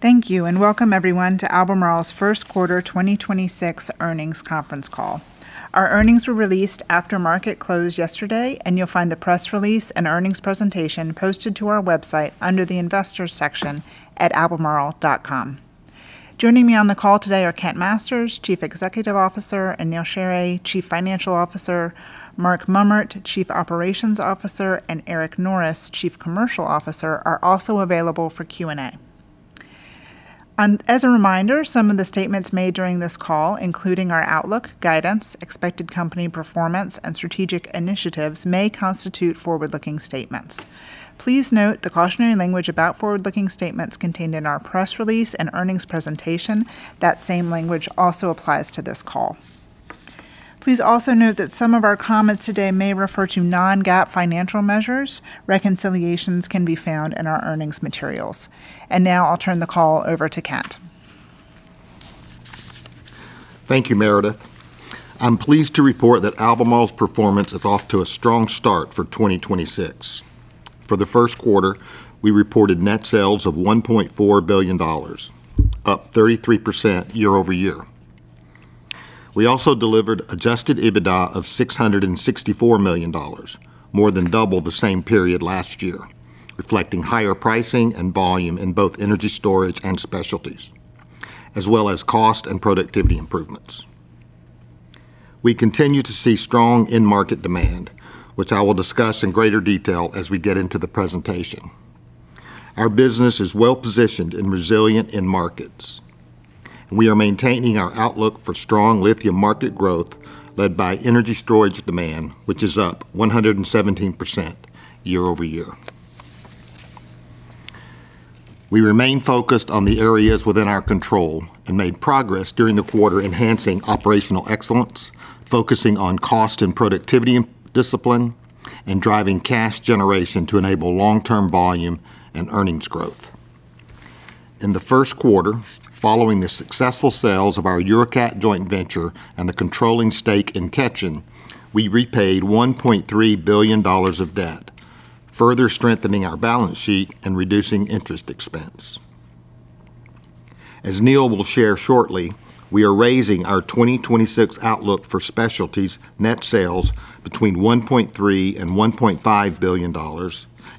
Thank you, welcome everyone to Albemarle's first quarter 2026 earnings conference call. Our earnings were released after market close yesterday, and you'll find the press release and earnings presentation posted to our website under the Investors section at albemarle.com. Joining me on the call today are Kent Masters, Chief Executive Officer, and Neal Sheorey, Chief Financial Officer. Mark Mummert, Chief Operations Officer, and Eric Norris, Chief Commercial Officer, are also available for Q&A. As a reminder, some of the statements made during this call, including our outlook, guidance, expected company performance, and strategic initiatives may constitute forward-looking statements. Please note the cautionary language about forward-looking statements contained in our press release and earnings presentation. That same language also applies to this call. Please also note that some of our comments today may refer to non-GAAP financial measures. Reconciliations can be found in our earnings materials. Now I'll turn the call over to Kent. Thank you, Meredith. I'm pleased to report that Albemarle's performance is off to a strong start for 2026. For the first quarter, we reported net sales of $1.4 billion, up 33% year-over-year. We also delivered adjusted EBITDA of $664 million, more than double the same period last year, reflecting higher pricing and volume in both energy storage and specialties, as well as cost and productivity improvements. We continue to see strong end market demand, which I will discuss in greater detail as we get into the presentation. Our business is well-positioned and resilient in markets. We are maintaining our outlook for strong lithium market growth led by energy storage demand, which is up 117% year-over-year. We remain focused on the areas within our control and made progress during the quarter enhancing operational excellence, focusing on cost and productivity discipline, and driving cash generation to enable long-term volume and earnings growth. In the first quarter, following the successful sales of our Eurecat joint venture and the controlling stake in Ketjen, we repaid $1.3 billion of debt, further strengthening our balance sheet and reducing interest expense. As Neal will share shortly, we are raising our 2026 outlook for specialties net sales between $1.3 billion and $1.5 billion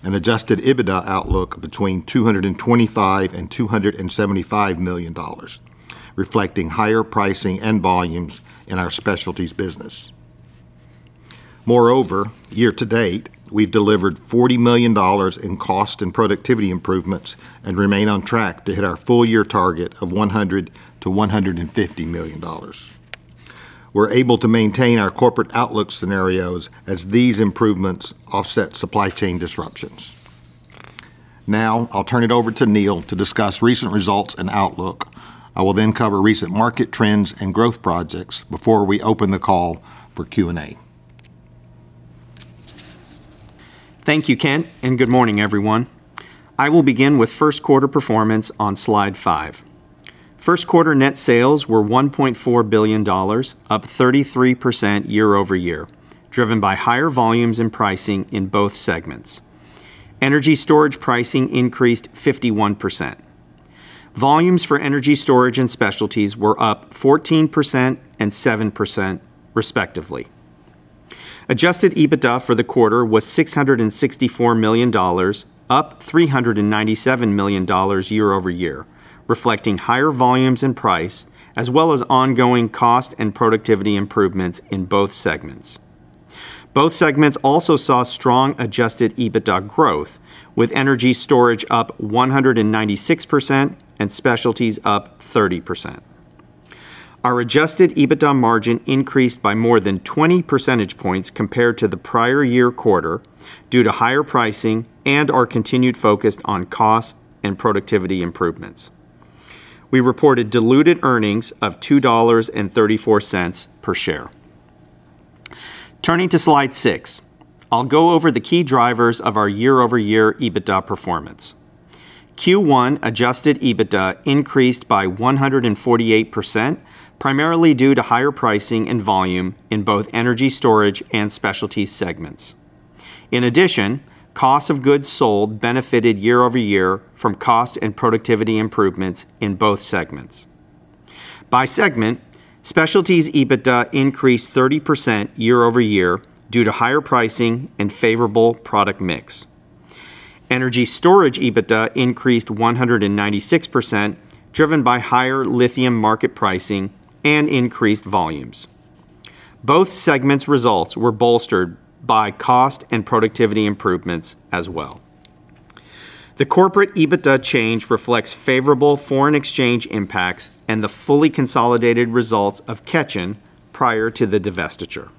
and adjusted EBITDA outlook between $225 million and $275 million, reflecting higher pricing and volumes in our specialties business. Moreover, year to date, we've delivered $40 million in cost and productivity improvements and remain on track to hit our full year target of $100 million-$150 million. We're able to maintain our corporate outlook scenarios as these improvements offset supply chain disruptions. I'll turn it over to Neal to discuss recent results and outlook. I will then cover recent market trends and growth projects before we open the call for Q&A. Thank you, Kent, and good morning, everyone. I will begin with first quarter performance on slide five. First quarter net sales were $1.4 billion, up 33% year-over-year, driven by higher volumes and pricing in both segments. Energy storage pricing increased 51%. Volumes for energy storage and specialties were up 14% and 7% respectively. Adjusted EBITDA for the quarter was $664 million, up $397 million year-over-year, reflecting higher volumes and price, as well as ongoing cost and productivity improvements in both segments. Both segments also saw strong adjusted EBITDA growth, with energy storage up 196% and specialties up 30%. Our adjusted EBITDA margin increased by more than 20 percentage points compared to the prior year quarter due to higher pricing and our continued focus on cost and productivity improvements. We reported diluted earnings of $2.34 per share. Turning to slide six, I'll go over the key drivers of our year-over-year EBITDA performance. Q1 adjusted EBITDA increased by 148%, primarily due to higher pricing and volume in both energy storage and specialty segments. In addition, cost of goods sold benefited year-over-year from cost and productivity improvements in both segments. By segment, specialties EBITDA increased 30% year-over-year due to higher pricing and favorable product mix. Energy storage EBITDA increased 196%, driven by higher lithium market pricing and increased volumes. Both segments results were bolstered by cost and productivity improvements as well. The corporate EBITDA change reflects favorable foreign exchange impacts and the fully consolidated results of Ketjen prior to the divestiture.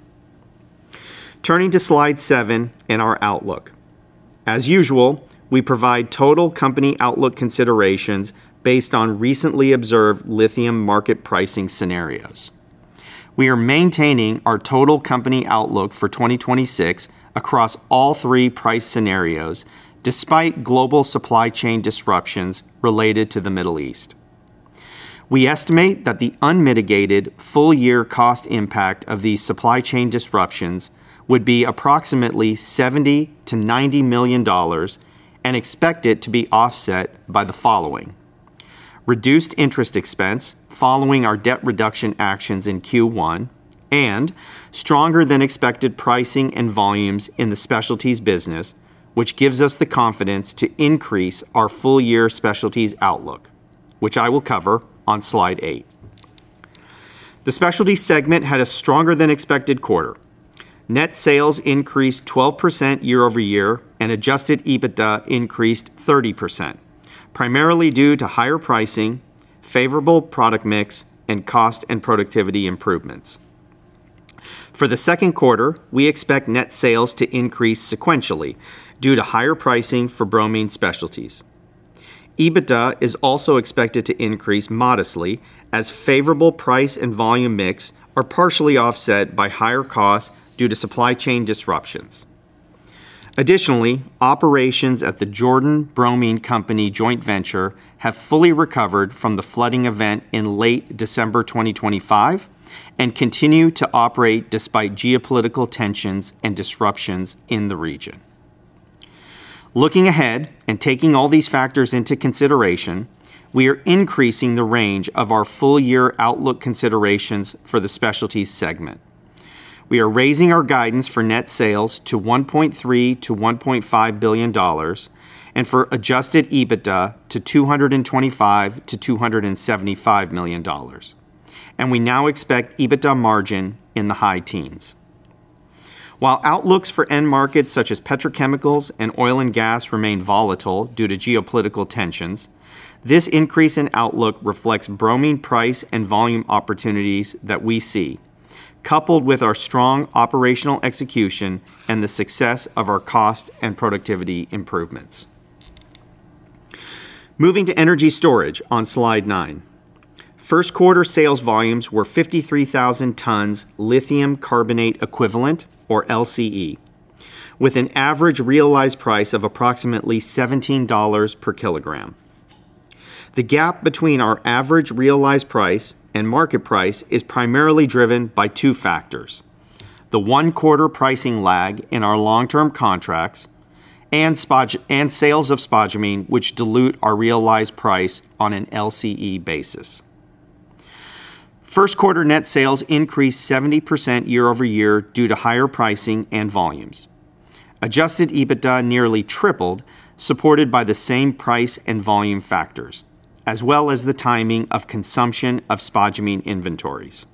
Turning to slide seven and our outlook. As usual, we provide total company outlook considerations based on recently observed lithium market pricing scenarios. We are maintaining our total company outlook for 2026 across all three price scenarios despite global supply chain disruptions related to the Middle East. We estimate that the unmitigated full year cost impact of the supply chain disruptions would be approximately $70 million-$90 million and expect it to be offset by the following: reduced interest expense following our debt reduction actions in Q1, and stronger than expected pricing and volumes in the specialties business, which gives us the confidence to increase our full year specialties outlook, which I will cover on slide eight. The specialty segment had a stronger than expected quarter. Net sales increased 12% year-over-year and adjusted EBITDA increased 30%, primarily due to higher pricing, favorable product mix, and cost and productivity improvements. For the second quarter, we expect net sales to increase sequentially due to higher pricing for bromine specialties. EBITDA is also expected to increase modestly as favorable price and volume mix are partially offset by higher costs due to supply chain disruptions. Additionally, operations at the Jordan Bromine Company joint venture have fully recovered from the flooding event in late December 2025 and continue to operate despite geopolitical tensions and disruptions in the region. Looking ahead and taking all these factors into consideration, we are increasing the range of our full year outlook considerations for the specialties segment. We are raising our guidance for net sales to $1.3 billion-$1.5 billion and for adjusted EBITDA to $225 million-$275 million. We now expect EBITDA margin in the high teens. While outlooks for end markets such as petrochemicals and oil and gas remain volatile due to geopolitical tensions, this increase in outlook reflects bromine price and volume opportunities that we see, coupled with our strong operational execution and the success of our cost and productivity improvements. Moving to energy storage on slide nine. First quarter sales volumes were 53,000 tons lithium carbonate equivalent, or LCE, with an average realized price of approximately $17/kg. The gap between our average realized price and market price is primarily driven by two factors: The one quarter pricing lag in our long-term contracts and sales of spodumene, which dilute our realized price on an LCE basis. First quarter net sales increased 70% year-over-year due to higher pricing and volumes. Adjusted EBITDA nearly tripled, supported by the same price and volume factors, as well as the timing of consumption of spodumene inventories.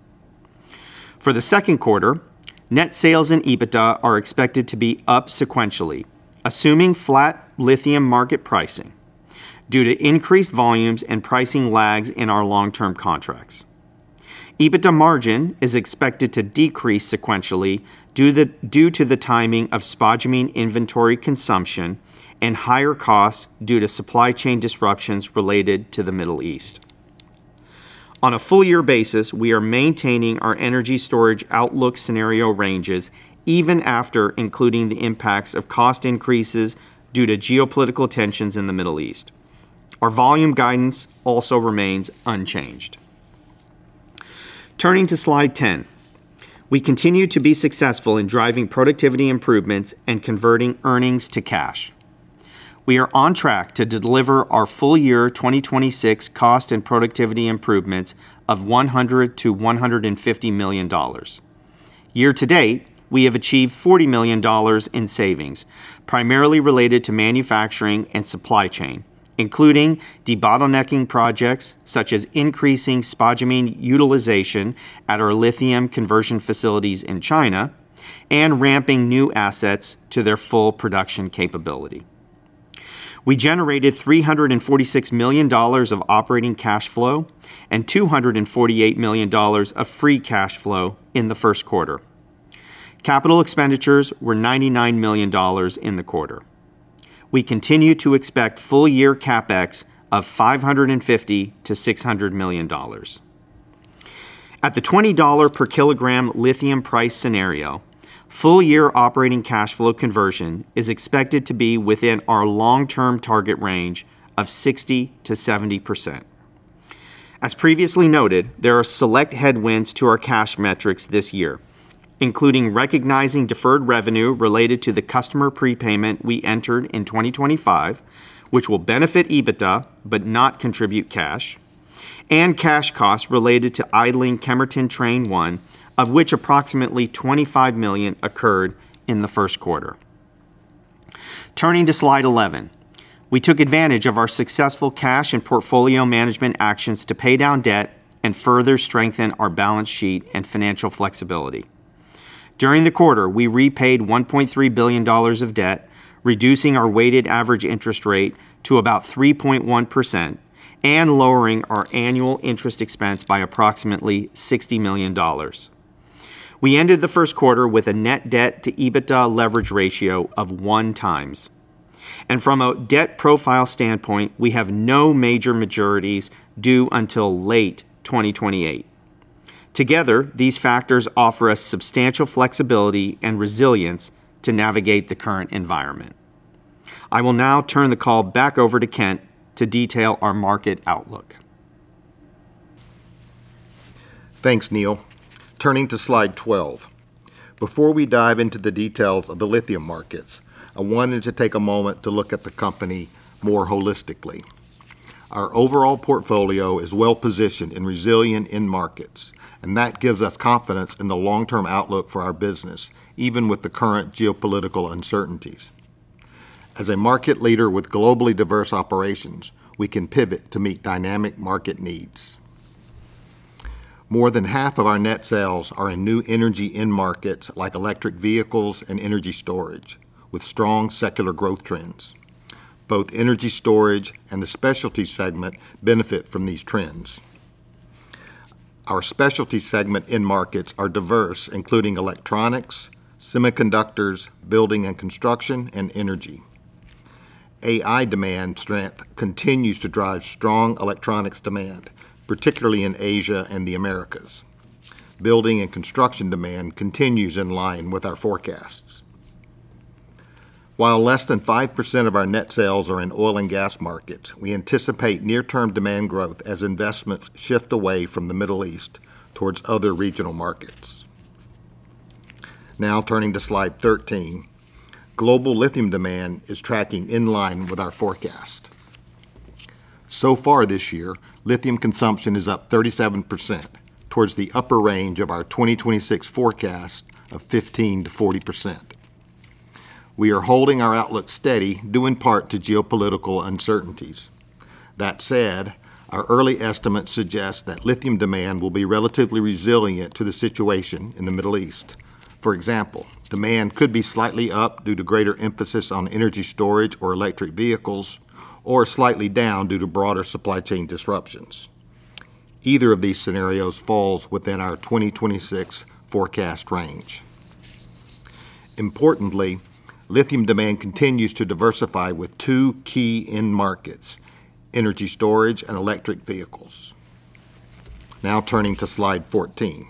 For the second quarter, net sales and EBITDA are expected to be up sequentially, assuming flat lithium market pricing due to increased volumes and pricing lags in our long-term contracts. EBITDA margin is expected to decrease sequentially due to the timing of spodumene inventory consumption and higher costs due to supply chain disruptions related to the Middle East. On a full year basis, we are maintaining our energy storage outlook scenario ranges even after including the impacts of cost increases due to geopolitical tensions in the Middle East. Our volume guidance also remains unchanged. Turning to slide 10. We continue to be successful in driving productivity improvements and converting earnings to cash. We are on track to deliver our full year cost and productivity improvements of $100 million-$150 million. Year to date, we have achieved $40 million in savings, primarily related to manufacturing and supply chain, including debottlenecking projects such as increasing spodumene utilization at our lithium conversion facilities in China and ramping new assets to their full production capability. We generated $346 million of operating cash flow and $248 million of free cash flow in the first quarter. Capital expenditures were $99 million in the quarter. We continue to expect full year CapEx of $550 million-$600 million. At the $20/kg lithium price scenario, full year operating cash flow conversion is expected to be within our long-term target range of 60%-70%. As previously noted, there are select headwinds to our cash metrics this year, including recognizing deferred revenue related to the customer prepayment we entered in 2025, which will benefit EBITDA but not contribute cash, and cash costs related to idling Kemerton Train 1, of which approximately $25 million occurred in the first quarter. Turning to slide 11. We took advantage of our successful cash and portfolio management actions to pay down debt and further strengthen our balance sheet and financial flexibility. During the quarter, we repaid $1.3 billion of debt, reducing our weighted average interest rate to about 3.1% and lowering our annual interest expense by approximately $60 million. We ended the first quarter with a net debt to EBITDA leverage ratio of 1x. From a debt profile standpoint, we have no major maturities due until late 2028. Together, these factors offer us substantial flexibility and resilience to navigate the current environment. I will now turn the call back over to Kent to detail our market outlook. Thanks, Neal. Turning to slide 12. Before we dive into the details of the lithium markets, I wanted to take a moment to look at the company more holistically. Our overall portfolio is well-positioned and resilient end markets. That gives us confidence in the long-term outlook for our business, even with the current geopolitical uncertainties. As a market leader with globally diverse operations, we can pivot to meet dynamic market needs. More than half of our net sales are in new energy end markets like electric vehicles and energy storage, with strong secular growth trends. Both energy storage and the specialty segment benefit from these trends. Our specialty segment end markets are diverse, including electronics, semiconductors, building and construction, and energy. AI demand strength continues to drive strong electronics demand, particularly in Asia and the Americas. Building and construction demand continues in line with our forecasts. While less than 5% of our net sales are in oil and gas markets, we anticipate near-term demand growth as investments shift away from the Middle East towards other regional markets. Now turning to slide 13. Global lithium demand is tracking in line with our forecast. So far this year, lithium consumption is up 37% towards the upper range of our 2026 forecast of 15%-40%. We are holding our outlook steady due in part to geopolitical uncertainties. That said, our early estimates suggest that lithium demand will be relatively resilient to the situation in the Middle East. For example, demand could be slightly up due to greater emphasis on energy storage or electric vehicles, or slightly down due to broader supply chain disruptions. Either of these scenarios falls within our 2026 forecast range. Importantly, lithium demand continues to diversify with two key end markets: energy storage and electric vehicles. Turning to slide 14.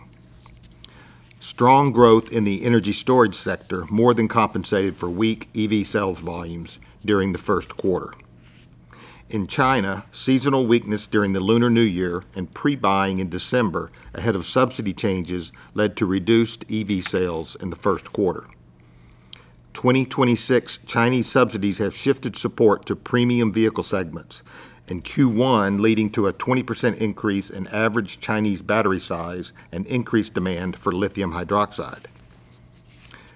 Strong growth in the energy storage sector more than compensated for weak EV sales volumes during the first quarter. In China, seasonal weakness during the Lunar New Year and pre-buying in December ahead of subsidy changes led to reduced EV sales in the first quarter. 2026 Chinese subsidies have shifted support to premium vehicle segments in Q1, leading to a 20% increase in average Chinese battery size and increased demand for lithium hydroxide.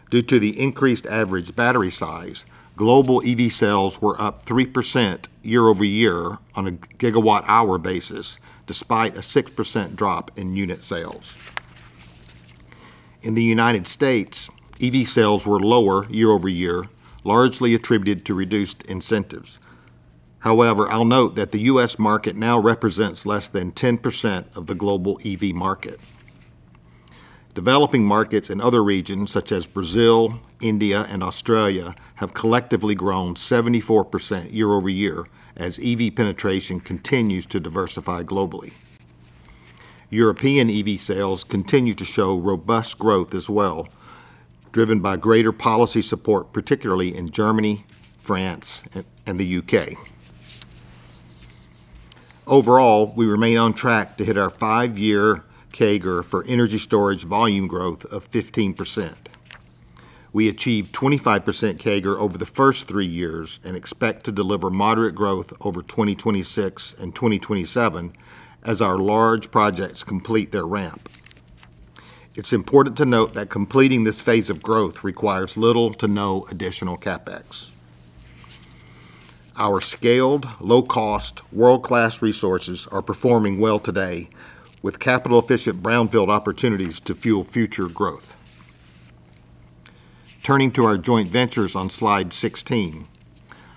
Due to the increased average battery size, global EV sales were up 3% year-over-year on a gigawatt-hour basis despite a 6% drop in unit sales. In the United States, EV sales were lower year-over-year, largely attributed to reduced incentives. However, I'll note that the U.S. market now represents less than 10% of the global EV market. Developing markets in other regions such as Brazil, India, and Australia have collectively grown 74% year-over-year as EV penetration continues to diversify globally. European EV sales continue to show robust growth as well, driven by greater policy support, particularly in Germany, France, and the U.K. Overall, we remain on track to hit our five-year CAGR for energy storage volume growth of 15%. We achieved 25% CAGR over the first three years and expect to deliver moderate growth over 2026 and 2027 as our large projects complete their ramp. It's important to note that completing this phase of growth requires little to no additional CapEx. Our scaled, low-cost, world-class resources are performing well today with capital-efficient brownfield opportunities to fuel future growth. Turning to our joint ventures on slide 16.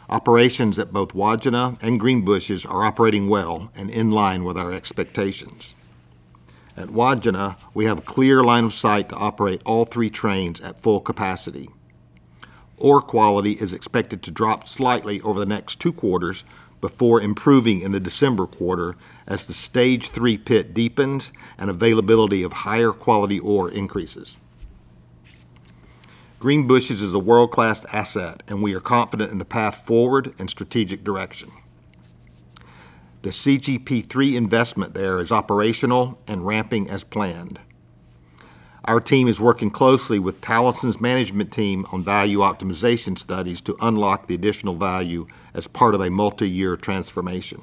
Operations at both Wodgina and Greenbushes are operating well and in line with our expectations. At Wodgina, we have a clear line of sight to operate all three trains at full capacity. Ore quality is expected to drop slightly over the next two quarters before improving in the December quarter as the stage three pit deepens and availability of higher quality ore increases. Greenbushes is a world-class asset, and we are confident in the path forward and strategic direction. The CGP3 investment there is operational and ramping as planned. Our team is working closely with Talison's management team on value optimization studies to unlock the additional value as part of a multi-year transformation.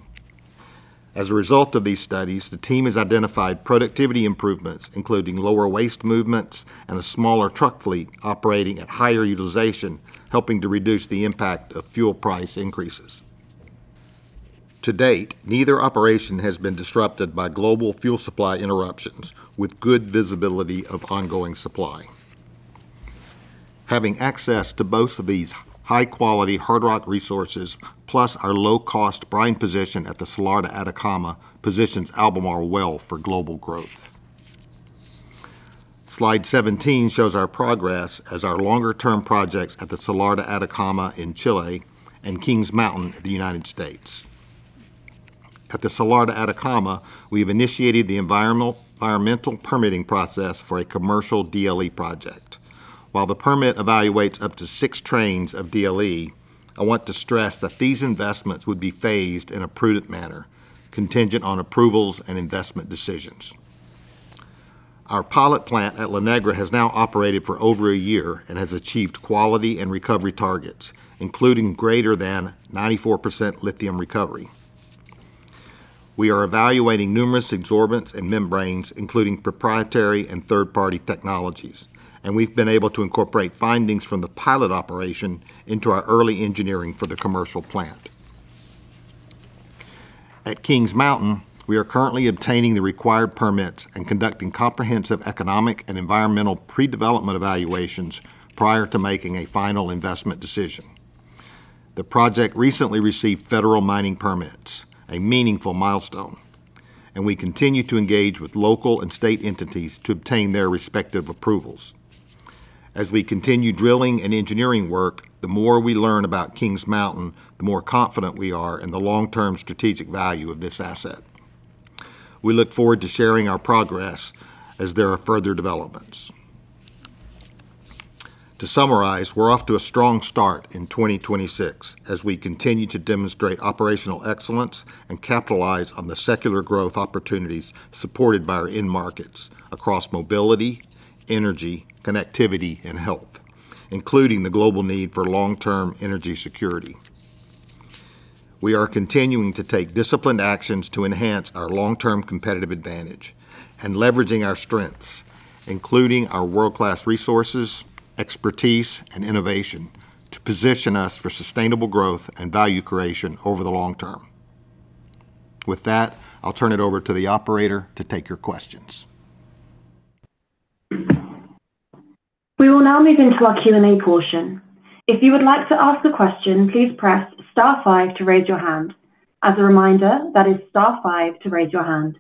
As a result of these studies, the team has identified productivity improvements, including lower waste movements and a smaller truck fleet operating at higher utilization, helping to reduce the impact of fuel price increases. To date, neither operation has been disrupted by global fuel supply interruptions with good visibility of ongoing supply. Having access to both of these high-quality hard rock resources, plus our low-cost brine position at the Salar de Atacama positions Albemarle well for global growth. Slide 17 shows our progress as our longer-term projects at the Salar de Atacama in Chile and Kings Mountain in the U.S. At the Salar de Atacama, we've initiated the environmental permitting process for a commercial DLE project. While the permit evaluates up to six trains of DLE, I want to stress that these investments would be phased in a prudent manner, contingent on approvals and investment decisions. Our pilot plant at La Negra has now operated for over a year and has achieved quality and recovery targets, including greater than 94% lithium recovery. We are evaluating numerous adsorbents and membranes, including proprietary and third-party technologies, and we've been able to incorporate findings from the pilot operation into our early engineering for the commercial plant. At Kings Mountain, we are currently obtaining the required permits and conducting comprehensive economic and environmental pre-development evaluations prior to making a final investment decision. The project recently received federal mining permits, a meaningful milestone, and we continue to engage with local and state entities to obtain their respective approvals. As we continue drilling and engineering work, the more we learn about Kings Mountain, the more confident we are in the long-term strategic value of this asset. We look forward to sharing our progress as there are further developments. To summarize, we're off to a strong start in 2026 as we continue to demonstrate operational excellence and capitalize on the secular growth opportunities supported by our end markets across mobility, energy, connectivity, and health, including the global need for long-term energy security. We are continuing to take disciplined actions to enhance our long-term competitive advantage and leveraging our strengths, including our world-class resources, expertise, and innovation to position us for sustainable growth and value creation over the long term. With that, I'll turn it over to the operator to take your questions. We will now move into our Q&A portion. If you would like to ask a question, please press star five to raise your hand. As a reminder, that is star five to raise your hand.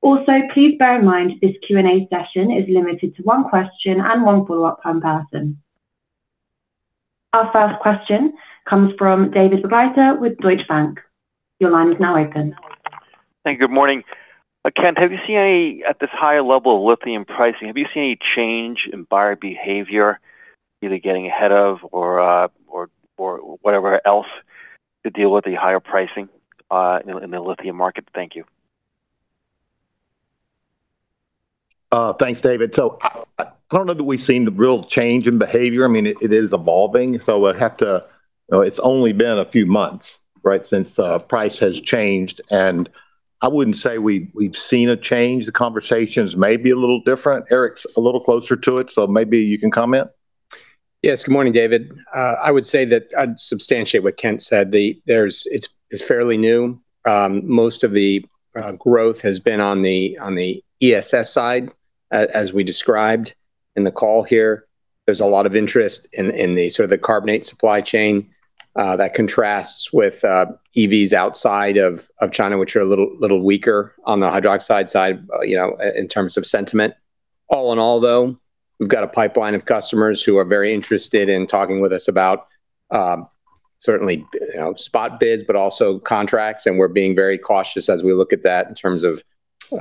Also, please bear in mind this Q&A session is limited to one question and one follow-up per person. Our first question comes from David Begleiter with Deutsche Bank. Your line is now open. Thank you. Good morning. Kent, at this high level of lithium pricing, have you seen any change in buyer behavior, either getting ahead of or whatever else to deal with the higher pricing in the lithium market? Thank you. Thanks, David. I don't know that we've seen the real change in behavior. I mean, it is evolving, so You know, it's only been a few months, right, since price has changed, and I wouldn't say we've seen a change. The conversations may be a little different. Eric's a little closer to it, so maybe you can comment. Yes. Good morning, David. I would say that I'd substantiate what Kent said. It's fairly new. Most of the growth has been on the ESS side, as we described in the call here. There's a lot of interest in the sort of the carbonate supply chain that contrasts with EVs outside of China, which are a little weaker on the hydroxide side, you know, in terms of sentiment. All in all, though, we've got a pipeline of customers who are very interested in talking with us about, certainly, you know, spot bids, but also contracts, and we're being very cautious as we look at that in terms of, you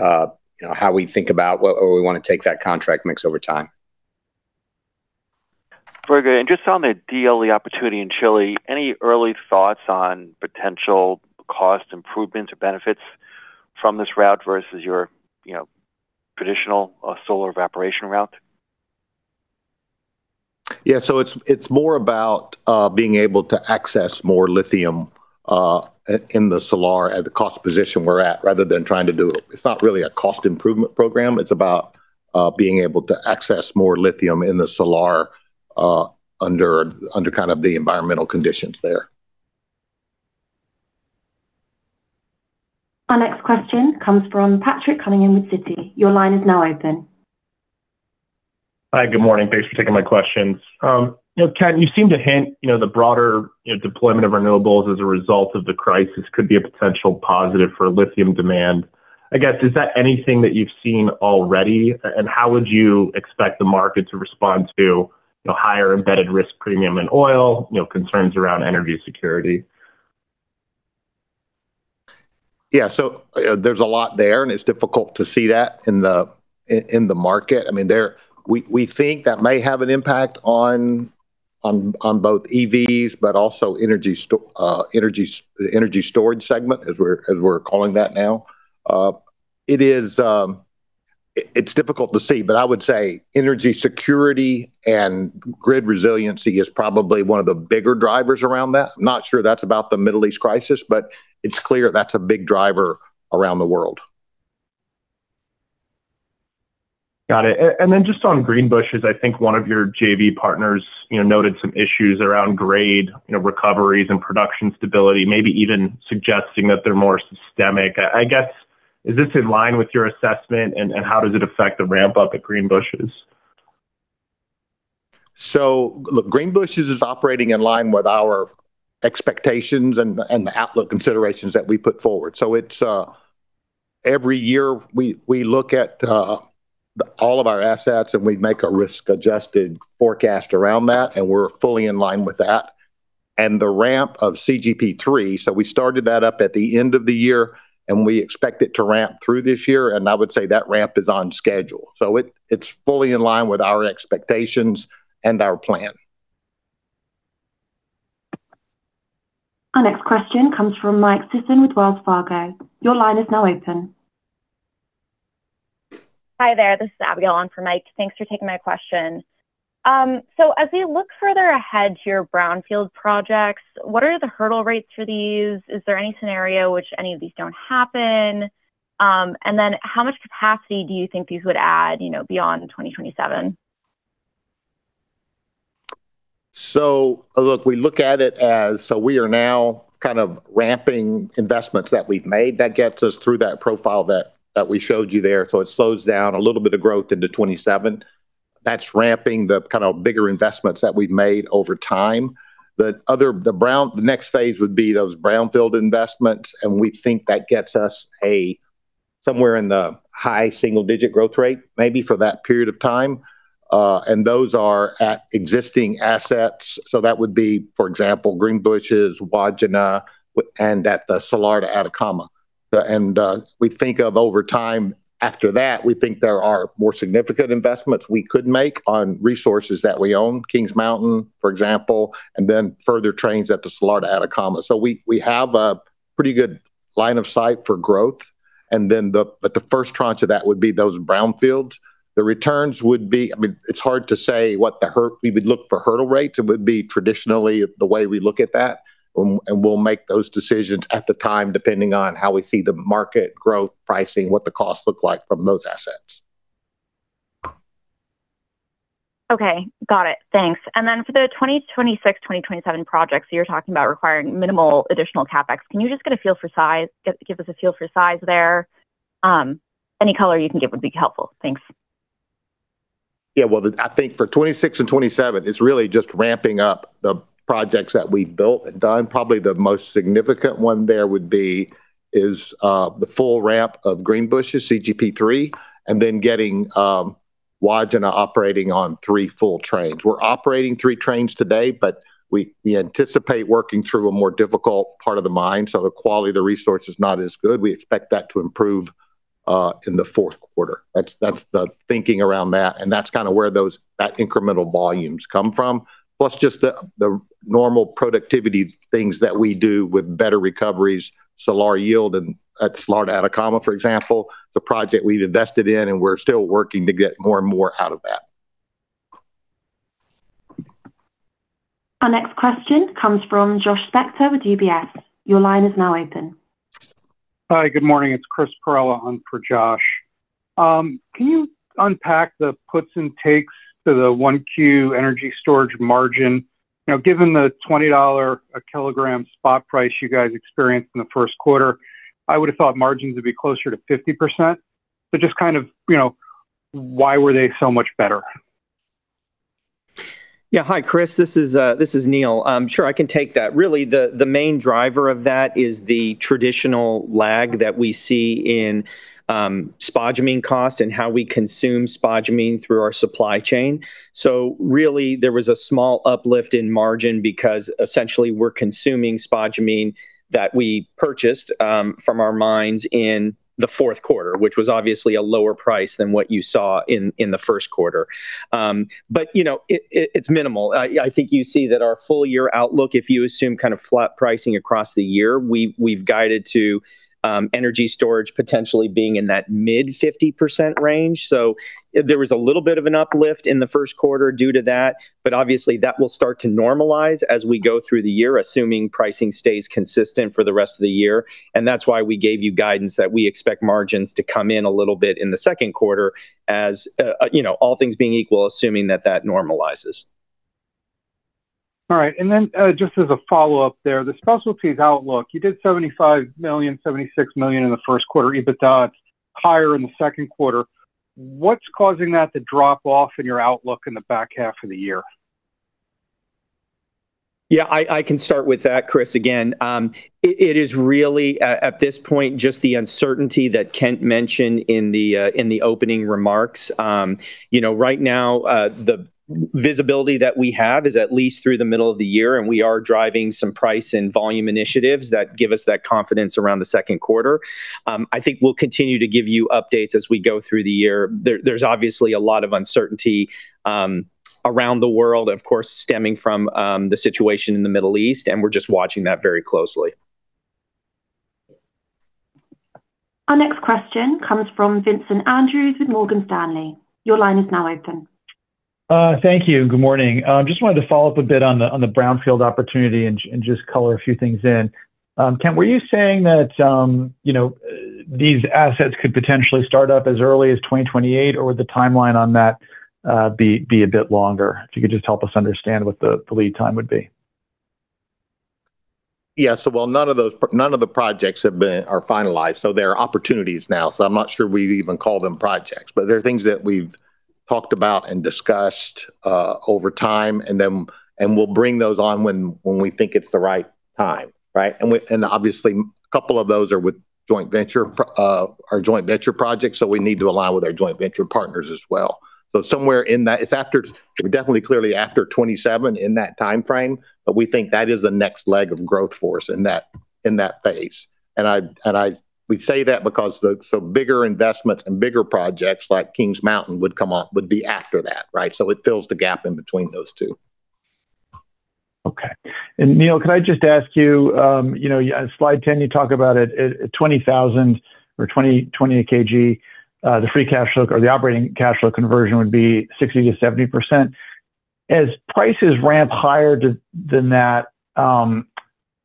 know, how we think about what or we wanna take that contract mix over time. Very good. Just on the DLE opportunity in Chile, any early thoughts on potential cost improvements or benefits from this route versus your, you know, traditional solar evaporation route? Yeah. It's more about being able to access more lithium in the Salar at the cost position we're at rather than trying to. It's not really a cost improvement program. It's about being able to access more lithium in the Salar under kind of the environmental conditions there. Our next question comes from Patrick Cunningham with Citi. Your line is now open. Hi. Good morning. Thanks for taking my questions. You know, Kent, you seem to hint, you know, the broader, you know, deployment of renewables as a result of the crisis could be a potential positive for lithium demand. I guess, is that anything that you've seen already? How would you expect the market to respond to, you know, higher embedded risk premium in oil, you know, concerns around energy security? Yeah. There's a lot there, and it's difficult to see that in the market. I mean, We think that may have an impact on both EVs but also energy storage segment, as we're calling that now. It's difficult to see, but I would say energy security and grid resiliency is probably one of the bigger drivers around that. I'm not sure that's about the Middle East crisis, it's clear that's a big driver around the world. Got it. Then just on Greenbushes, I think one of your JV partners, you know, noted some issues around grade, you know, recoveries and production stability, maybe even suggesting that they're more systemic. I guess, is this in line with your assessment, how does it affect the ramp-up at Greenbushes? Look, Greenbushes is operating in line with our expectations and the outlook considerations that we put forward. It's Every year we look at all of our assets and we make a risk-adjusted forecast around that, and we're fully in line with that. The ramp of CGP3, so we started that up at the end of the year, we expect it to ramp through this year, I would say that ramp is on schedule. It's fully in line with our expectations and our plan. Our next question comes from Mike Sison with Wells Fargo. Your line is now open. Hi there. This is Abi on for Mike. Thanks for taking my question. As we look further ahead to your brownfield projects, what are the hurdle rates for these? Is there any scenario which any of these don't happen? How much capacity do you think these would add, you know, beyond 2027? Look, we look at it as, we are now kind of ramping investments that we've made. That gets us through that profile that we showed you there. It slows down a little bit of growth into 2027. That's ramping the kind of bigger investments that we've made over time. The other, the next phase would be those brownfield investments, and we think that gets us a, somewhere in the high single-digit growth rate maybe for that period of time. And those are at existing assets. That would be, for example, Greenbushes, Wodgina, and at the Salar de Atacama. We think of over time after that, we think there are more significant investments we could make on resources that we own, Kings Mountain, for example, and then further trains at the Salar de Atacama. We have a pretty good line of sight for growth. The first tranche of that would be those brownfields. The returns would be I mean, it's hard to say what we would look for hurdle rates. It would be traditionally the way we look at that, and we'll make those decisions at the time, depending on how we see the market growth pricing, what the costs look like from those assets. Okay. Got it. Thanks. Then for the 2026, 2027 projects you're talking about requiring minimal additional CapEx, can you just get a feel for size? Give us a feel for size there. Any color you can give would be helpful. Thanks. Well, I think for 2026 and 2027, it's really just ramping up the projects that we've built and done. Probably the most significant one there would be the full ramp of Greenbushes CGP3, and then getting Wodgina operating on three full trains. We're operating three trains today, we anticipate working through a more difficult part of the mine, so the quality of the resource is not as good. We expect that to improve in the fourth quarter. That's the thinking around that's kind of where that incremental volumes come from. Plus just the normal productivity things that we do with better recoveries, Salar yield and at Salar de Atacama, for example. It's a project we've invested in, we're still working to get more and more out of that. Our next question comes from Josh Spector with UBS. Your line is now open. Hi, good morning. It's Chris Perrella on for Josh. Can you unpack the puts and takes to the 1Q energy storage margin? You know, given the $20/kg spot price you guys experienced in the first quarter, I would've thought margins would be closer to 50%, but just kind of, you know, why were they so much better? Hi, Chris. This is Neal. Sure, I can take that. Really, the main driver of that is the traditional lag that we see in spodumene cost and how we consume spodumene through our supply chain. Really there was a small uplift in margin because essentially we're consuming spodumene that we purchased from our mines in the fourth quarter, which was obviously a lower price than what you saw in the first quarter. You know, it's minimal. I think you see that our full year outlook, if you assume kind of flat pricing across the year, we've guided to energy storage potentially being in that mid 50% range. There was a little bit of an uplift in the 1st quarter due to that, obviously that will start to normalize as we go through the year, assuming pricing stays consistent for the rest of the year. That's why we gave you guidance that we expect margins to come in a little bit in the second quarter as, you know, all things being equal, assuming that that normalizes. All right. Just as a follow-up there, the specialties outlook, you did $75 million, $76 million in the first quarter EBITDA, higher in the second quarter. What's causing that to drop off in your outlook in the back half of the year? Yeah, I can start with that, Chris. Again, it is really at this point, just the uncertainty that Kent mentioned in the opening remarks. You know, right now, the visibility that we have is at least through the middle of the year, and we are driving some price and volume initiatives that give us that confidence around the second quarter. I think we'll continue to give you updates as we go through the year. There's obviously a lot of uncertainty around the world, of course, stemming from the situation in the Middle East, and we're just watching that very closely. Our next question comes from Vincent Andrews with Morgan Stanley. Your line is now open. Thank you. Good morning. Just wanted to follow up a bit on the brownfield opportunity and just color a few things in. Kent, were you saying that, you know, these assets could potentially start up as early as 2028, or would the timeline on that be a bit longer? If you could just help us understand what the lead time would be. Yeah. While none of those projects are finalized, there are opportunities now, I'm not sure we'd even call them projects. There are things that we've talked about and discussed over time, and then we'll bring those on when we think it's the right time, right? And obviously a couple of those are with joint venture projects, we need to align with our joint venture partners as well. Somewhere in that. It's after, definitely clearly after 2027, in that timeframe, we think that is the next leg of growth for us in that phase. We say that because some bigger investments and bigger projects like Kings Mountain would come on, would be after that, right? It fills the gap in between those two. Okay. Neal, can I just ask you know, on slide 10 you talk about it 20,000 or 20,020 kg, the free cash flow or the operating cash flow conversion would be 60%-70%. As prices ramp higher than that,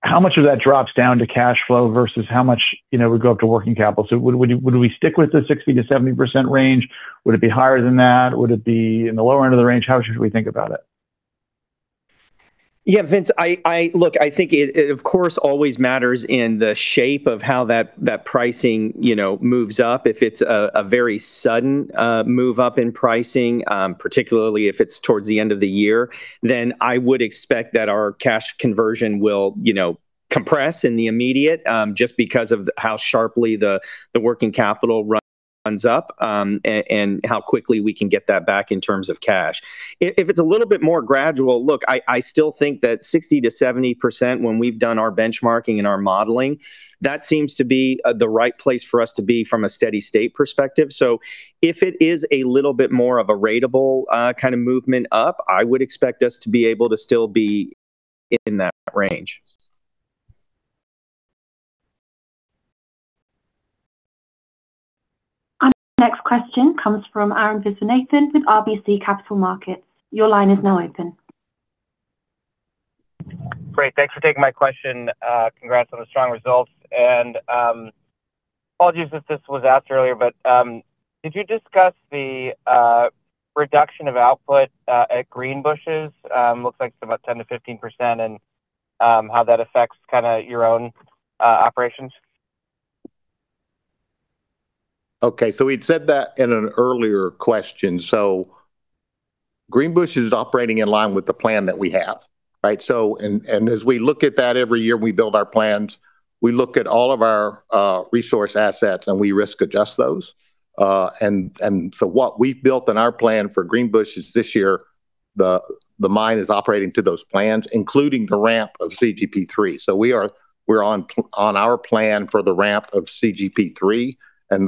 how much of that drops down to cash flow versus how much, you know, would go up to working capital? Would we stick with the 60%-70% range? Would it be higher than that? Would it be in the lower end of the range? How should we think about it? Yeah, Vince, I look, I think it of course always matters in the shape of how that pricing, you know, moves up. If it's a very sudden move up in pricing, particularly if it's towards the end of the year, then I would expect that our cash conversion will, you know, compress in the immediate, just because of how sharply the working capital runs up, and how quickly we can get that back in terms of cash. If it's a little bit more gradual, look, I still think that 60%-70%, when we've done our benchmarking and our modeling, that seems to be the right place for us to be from a steady state perspective. If it is a little bit more of a ratable, kind of movement up, I would expect us to be able to still be in that range. Our next question comes from Arun Viswanathan with RBC Capital Markets. Your line is now open. Great. Thanks for taking my question. Congrats on the strong results. Apologies if this was asked earlier, but could you discuss the reduction of output at Greenbushes, looks like it's about 10%-15%, and how that affects kinda your own operations? We'd said that in an earlier question. Greenbushes is operating in line with the plan that we have, right? As we look at that every year when we build our plans, we look at all of our resource assets and we risk adjust those. What we've built in our plan for Greenbushes this year, the mine is operating to those plans, including the ramp of CGP3. We are, we're on our plan for the ramp of CGP3 and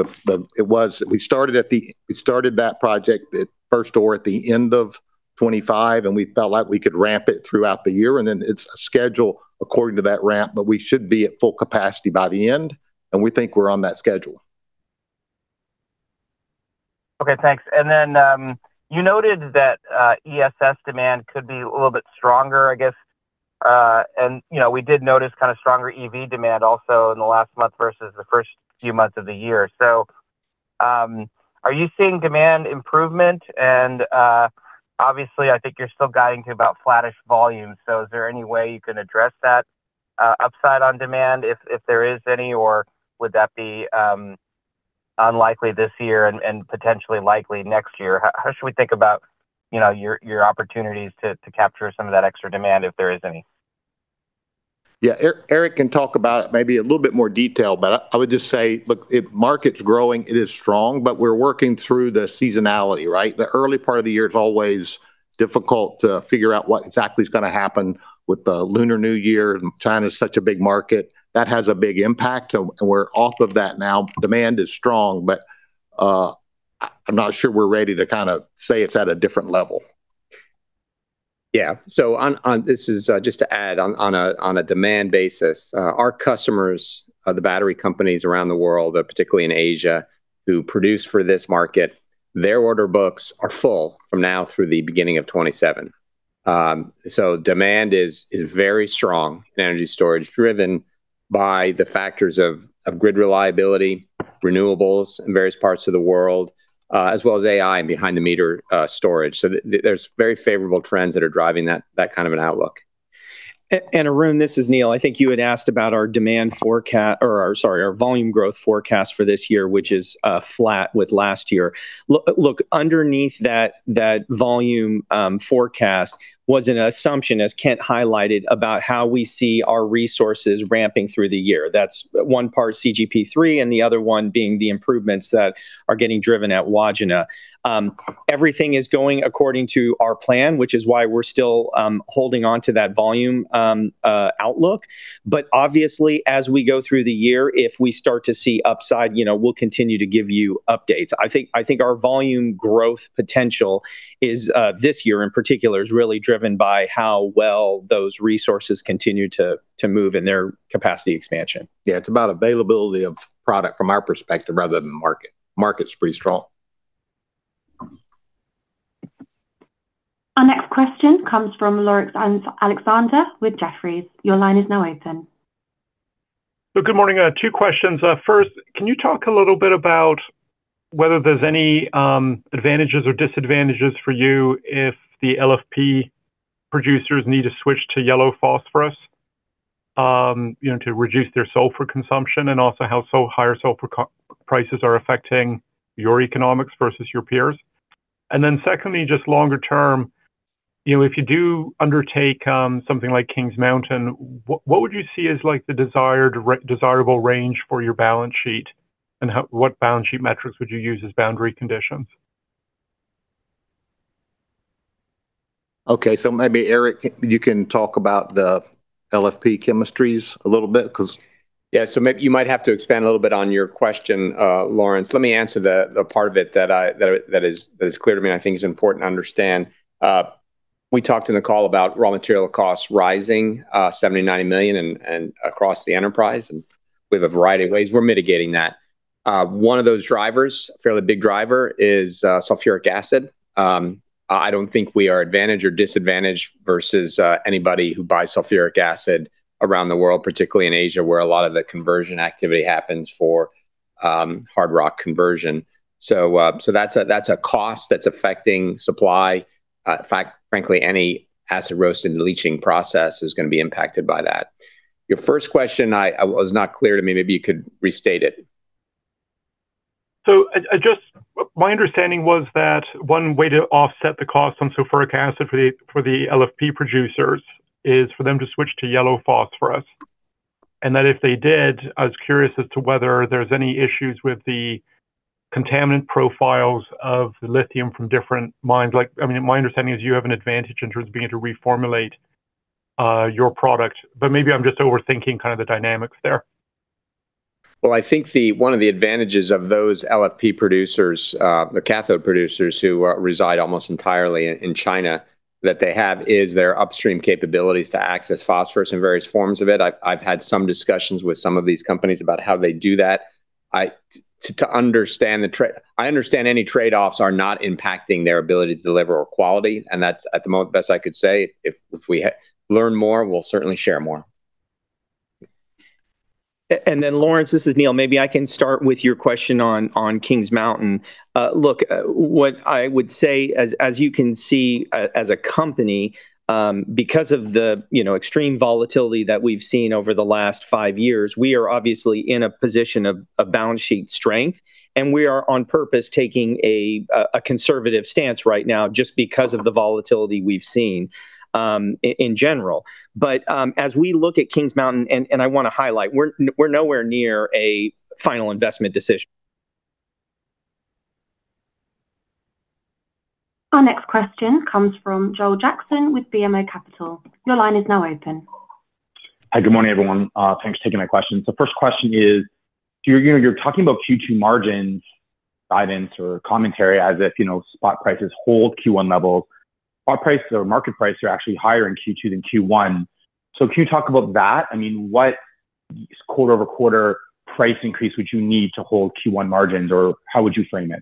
We started that project at first ore at the end of 2025, and we felt like we could ramp it throughout the year. It's a schedule according to that ramp, but we should be at full capacity by the end, and we think we're on that schedule. Okay, thanks. You noted that ESS demand could be a little bit stronger, I guess. You know, we did notice kind of stronger EV demand also in the last month versus the first few months of the year. Are you seeing demand improvement? Obviously, I think you're still guiding to about flattish volume, is there any way you can address that upside on demand if there is any, or would that be unlikely this year and potentially likely next year? How, how should we think about, you know, your opportunities to capture some of that extra demand, if there is any? Yeah. Eric can talk about it maybe in a little bit more detail, but I would just say, look, if market's growing, it is strong, but we're working through the seasonality, right? The early part of the year is always difficult to figure out what exactly is gonna happen with the Lunar New Year, and China's such a big market. That has a big impact. We're off of that now. Demand is strong, but I'm not sure we're ready to kind of say it's at a different level. This is, just to add on a demand basis. Our customers, the battery companies around the world, particularly in Asia, who produce for this market, their order books are full from now through the beginning of 2027. Demand is very strong in energy storage, driven by the factors of grid reliability, renewables in various parts of the world, as well as AI and behind-the-meter storage. There's very favorable trends that are driving that kind of an outlook. Arun, this is Neal. I think you had asked about our demand or sorry, our volume growth forecast for this year, which is flat with last year. Look, underneath that volume forecast was an assumption, as Kent highlighted, about how we see our resources ramping through the year. That's one part CGP3, and the other one being the improvements that are getting driven at Wodgina. Everything is going according to our plan, which is why we're still holding onto that volume outlook. Obviously, as we go through the year, if we start to see upside, you know, we'll continue to give you updates. I think our volume growth potential is this year in particular, is really driven by how well those resources continue to move in their capacity expansion. Yeah, it's about availability of product from our perspective rather than market. Market's pretty strong. Our next question comes from Laurence Alexander with Jefferies. Your line is now open. Good morning. Two questions. First, can you talk a little bit about whether there's any advantages or disadvantages for you if the LFP producers need to switch to yellow phosphorus, you know, to reduce their sulfur consumption and also how higher sulfur prices are affecting your economics versus your peers? Secondly, just longer term, you know, if you do undertake something like Kings Mountain, what would you see as like the desirable range for your balance sheet, and what balance sheet metrics would you use as boundary conditions? Okay, maybe Eric, you can talk about the LFP chemistries a little bit. You might have to expand a little bit on your question, Laurence. Let me answer the part of it that is clear to me and I think is important to understand. We talked in the call about raw material costs rising $70 million, $90 million and across the enterprise. We have a variety of ways we're mitigating that. One of those drivers, a fairly big driver, is sulfuric acid. I don't think we are advantaged or disadvantaged versus anybody who buys sulfuric acid around the world, particularly in Asia, where a lot of the conversion activity happens for hard rock conversion. That's a cost that's affecting supply. In fact, frankly, any acid roast and leaching process is gonna be impacted by that. Your first question was not clear to me. Maybe you could restate it. My understanding was that one way to offset the cost on sulfuric acid for the LFP producers is for them to switch to yellow phosphorus. That if they did, I was curious as to whether there's any issues with the contaminant profiles of the lithium from different mines. Like, I mean, my understanding is you have an advantage in terms of being able to reformulate your product, but maybe I'm just overthinking kind of the dynamics there. Well, I think the one of the advantages of those LFP producers, the cathode producers who reside almost entirely in China that they have is their upstream capabilities to access phosphorus and various forms of it. I've had some discussions with some of these companies about how they do that. I to understand the trade I understand any trade-offs are not impacting their ability to deliver or quality, and that's at the best I could say. If we learn more, we'll certainly share more. Laurence, this is Neal. Maybe I can start with your question on Kings Mountain. Look, what I would say as you can see as a company, because of the, you know, extreme volatility that we've seen over the last five years, we are obviously in a position of balance sheet strength, and we are on purpose taking a conservative stance right now just because of the volatility we've seen in general. As we look at Kings Mountain, and I wanna highlight, we're nowhere near a final investment decision. Our next question comes from Joel Jackson with BMO Capital. Your line is now open. Hi, good morning, everyone. Thanks for taking my questions. The first question is, you know, you're talking about Q2 margins guidance or commentary as if, you know, spot prices hold Q1 levels. Our prices or market price are actually higher in Q2 than Q1. Can you talk about that? I mean, what quarter-over-quarter price increase would you need to hold Q1 margins, or how would you frame it?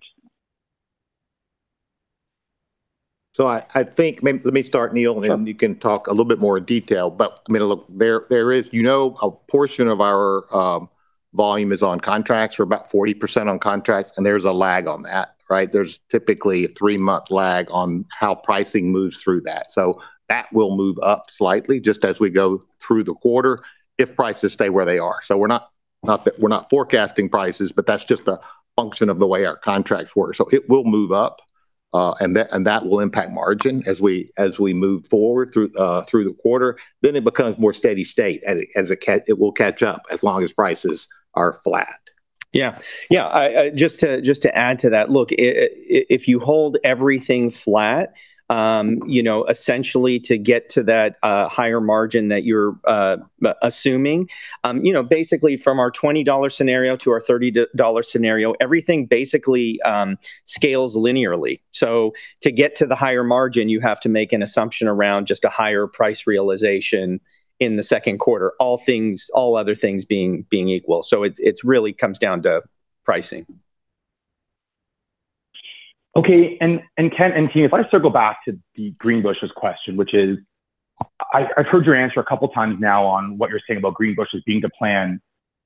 I think let me start, Neal. You can talk a little bit more in detail. I mean, look, there is You know a portion of our volume is on contracts. We're about 40% on contracts, and there's a lag on that, right? There's typically a three-month lag on how pricing moves through that. That will move up slightly just as we go through the quarter if prices stay where they are. We're not forecasting prices, but that's just a function of the way our contracts work. It will move up, and that will impact margin as we move forward through the quarter. It becomes more steady state as it will catch up as long as prices are flat. Yeah. Yeah. I, just to add to that, look, if you hold everything flat, you know, essentially to get to that higher margin that you're assuming, you know, basically from our $20 scenario to our $30 scenario, everything basically scales linearly. To get to the higher margin, you have to make an assumption around just a higher price realization in the second quarter, all things, all other things being equal. It's really comes down to pricing. Okay. Kent and team, if I circle back to the Greenbushes question, which is, I've heard your answer a couple times now on what you're saying about Greenbushes being the plan.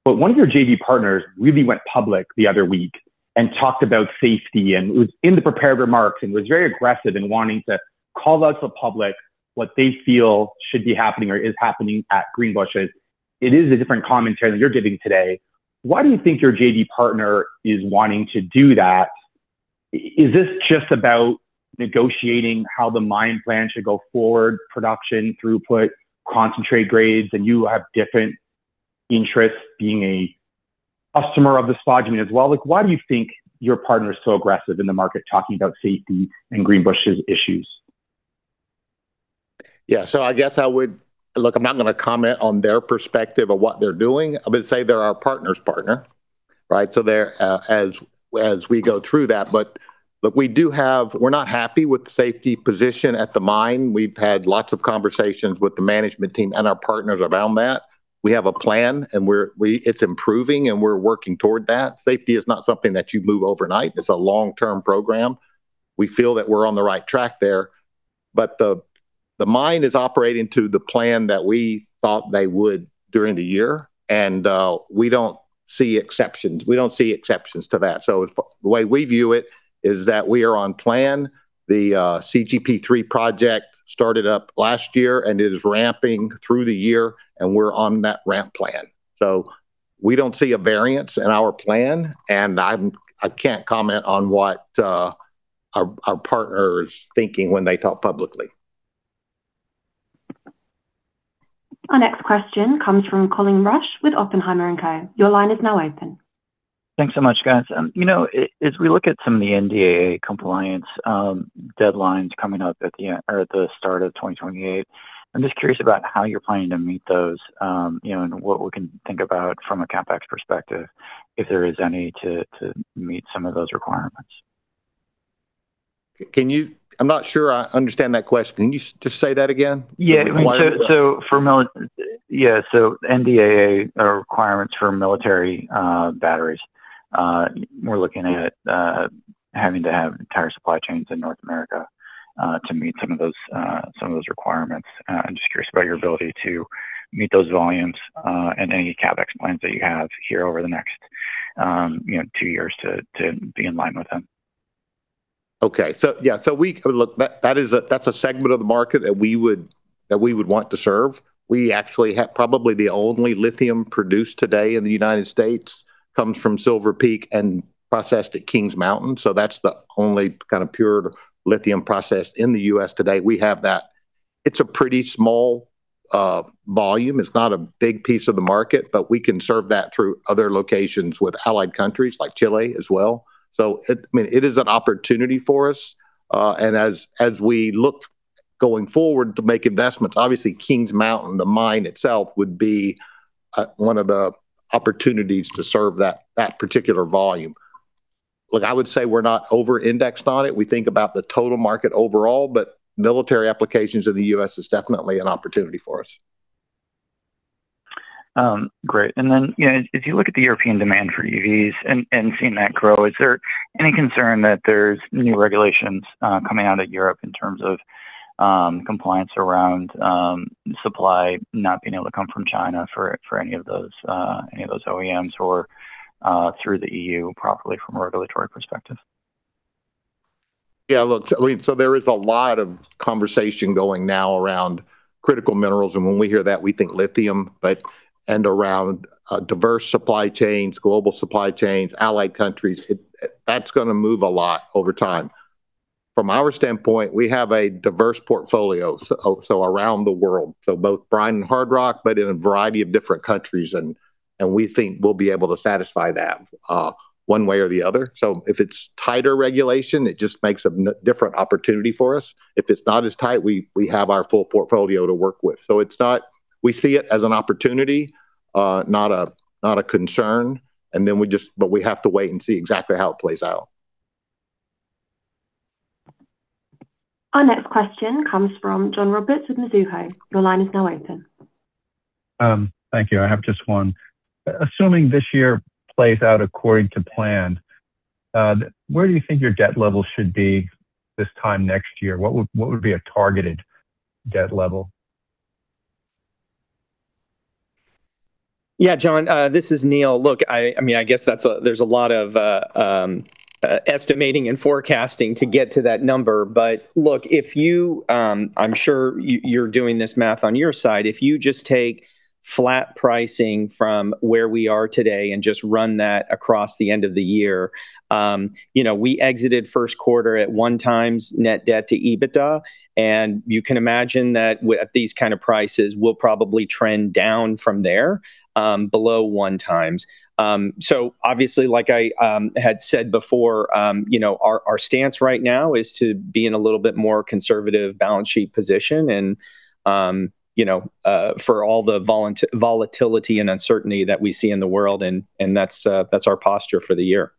One of your JV partners really went public the other week and talked about safety, and it was in the prepared remarks and was very aggressive in wanting to call out to the public what they feel should be happening or is happening at Greenbushes. It is a different commentary than you're giving today. Why do you think your JV partner is wanting to do that? Is this just about negotiating how the mine plan should go forward, production throughput, concentrate grades, and you have different interests being a customer of the spodumene as well? Why do you think your partner is so aggressive in the market talking about safety and Greenbushes issues? Yeah. I'm not going to comment on their perspective of what they're doing. I would say they're our partner's partner, right? They're as we go through that. We're not happy with the safety position at the mine. We've had lots of conversations with the management team and our partners around that. We have a plan, and it's improving, and we're working toward that. Safety is not something that you move overnight. It's a long-term program. We feel that we're on the right track there. The mine is operating to the plan that we thought they would during the year, and we don't see exceptions. We don't see exceptions to that. The way we view it is that we are on plan. The CGP3 project started up last year and it is ramping through the year, and we're on that ramp plan. We don't see a variance in our plan, and I can't comment on what our partner is thinking when they talk publicly. Our next question comes from Colleen Rush with Oppenheimer & Co. Your line is now open. Thanks so much, guys. You know, as we look at some of the NDAA compliance deadlines coming up at the end or at the start of 2028, I'm just curious about how you're planning to meet those, you know, and what we can think about from a CapEx perspective, if there is any to meet some of those requirements. Can you I'm not sure I understand that question. Can you just say that again? Yeah. NDAA are requirements for military batteries. We're looking at having to have entire supply chains in North America to meet some of those, some of those requirements. I'm just curious about your ability to meet those volumes and any CapEx plans that you have here over the next, you know, two years to be in line with them. Okay. That's a segment of the market that we would want to serve. We actually have probably the only lithium produced today in the U.S. comes from Silver Peak and processed at Kings Mountain, so that's the only kind of pure lithium processed in the U.S. today. We have that. It's a pretty small volume. It's not a big piece of the market, but we can serve that through other locations with allied countries like Chile as well. I mean, it is an opportunity for us. As we look going forward to make investments, obviously Kings Mountain, the mine itself, would be one of the opportunities to serve that particular volume. Look, I would say we're not over-indexed on it. We think about the total market overall, but military applications in the U.S. is definitely an opportunity for us. Great. You know, if you look at the European demand for EVs and seeing that grow, is there any concern that there's new regulations coming out of Europe in terms of compliance around supply not being able to come from China for any of those any of those OEMs or through the EU properly from a regulatory perspective? Look, I mean, there is a lot of conversation going now around critical minerals, and when we hear that, we think lithium, but and around, diverse supply chains, global supply chains, allied countries. It, that's gonna move a lot over time. From our standpoint, we have a diverse portfolio also around the world, so both brine and hard rock, but in a variety of different countries and we think we'll be able to satisfy that, one way or the other. If it's tighter regulation, it just makes a different opportunity for us. If it's not as tight, we have our full portfolio to work with. It's not We see it as an opportunity, not a, not a concern. We have to wait and see exactly how it plays out. Our next question comes from John Roberts with Mizuho. Your line is now open. Thank you. I have just one. Assuming this year plays out according to plan, where do you think your debt level should be this time next year? What would be a targeted debt level? Yeah. John, this is Neal. Look, I mean, I guess that's a, there's a lot of estimating and forecasting to get to that number. Look, if you, I'm sure you're doing this math on your side. If you just take flat pricing from where we are today and just run that across the end of the year, you know, we exited first quarter at 1x net debt to EBITDA, and you can imagine that at these kind of prices, we'll probably trend down from there, below 1x. Obviously, like I had said before, you know, our stance right now is to be in a little bit more conservative balance sheet position and, you know, for all the volatility and uncertainty that we see in the world and, that's our posture for the year.